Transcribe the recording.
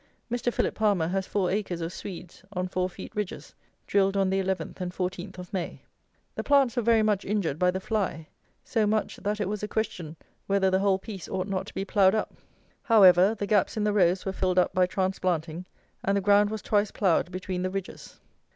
Mr. PHILIP PALMER has four acres of Swedes on four feet ridges, drilled on the 11th and 14th of May. The plants were very much injured by the fly; so much, that it was a question whether the whole piece ought not to be ploughed up. However, the gaps in the rows were filled up by transplanting; and the ground was twice ploughed between the ridges.